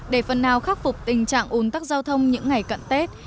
để phần nào khắc phục tình trạng ồn tắc giao thông những ngày cận tết